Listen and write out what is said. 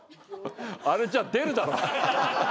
あれじゃあ出るだろ。